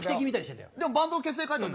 でもバンド結成、書いてある。